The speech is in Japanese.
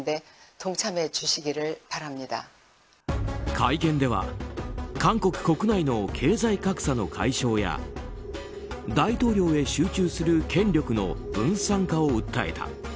会見では韓国国内の経済格差の解消や大統領へ集中する権力の分散化を訴えた。